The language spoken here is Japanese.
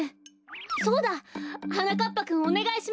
そうだ！はなかっぱくんおねがいします！